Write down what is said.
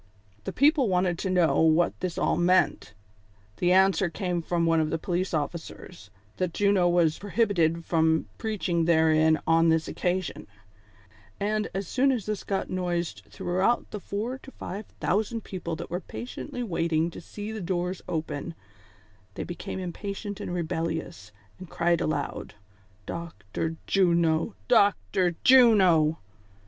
The i)eople wanted to know what this all meant, the an swer came from the police officers, that Juno was pro hibited from preaching therein on this occasion ; and as soon as this got noised throughout the four to five thousand people that were patiently waiting to see the doors open, tliey became impatient and rebellious, and cried aloud :" Dr. Juno ! Dr. Juno !" THE CONSPIRATORS AND LOVERS.